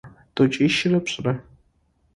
Тӏокӏищырэ пшӏырэ.